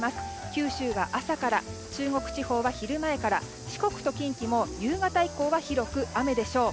九州は朝から中国地方は昼前から四国と近畿も夕方以降は広く雨でしょう。